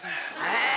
え！